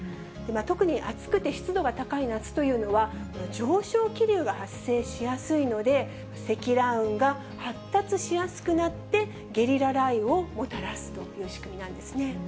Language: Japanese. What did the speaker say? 特に暑くて湿度が高い夏というのは、上昇気流が発生しやすいので、積乱雲が発達しやすくなって、ゲリラ雷雨をもたらすという仕組みなんですね。